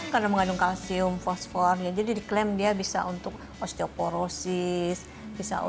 karena mengandung kalsium fosfor jadi diklaim dia bisa untuk osteoporosis